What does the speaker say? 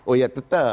oh ya tetap